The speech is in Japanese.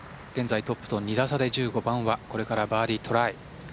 現在トップと２打差で１５番はこれからバーディートライ。